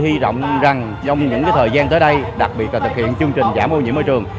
hy vọng rằng trong những thời gian tới đây đặc biệt là thực hiện chương trình giảm ô nhiễm môi trường